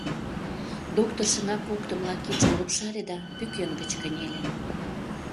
Доктыр шыҥа поктымыла кидшым лупшале да пӱкен гыч кынеле.